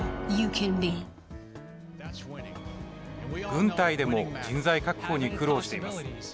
軍隊でも人材確保に苦労しています。